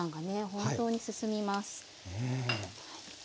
本当に進みます。